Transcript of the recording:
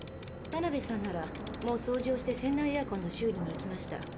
タナベさんならもうそうじをして船内エアコンの修理に行きました。